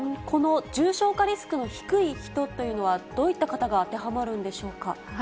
この重症化リスクの低い人というのは、どういった方が当てはまるんでしょうか。